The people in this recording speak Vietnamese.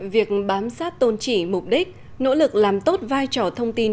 việc bám sát tôn trị mục đích nỗ lực làm tốt vai trò thông tin